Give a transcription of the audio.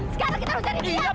sekarang kita harus cari dia pak